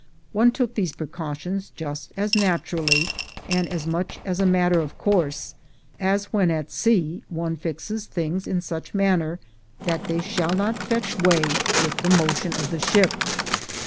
One took these precau tions just as naturally, and as much as a matter of course, as when at sea one fixes things in such manner that they shall not fetch way with the motion of the ♦Albino freaks. — Ed. 158 THE GOLD HUNTERS ship.